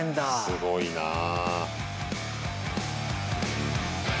すごいなあ。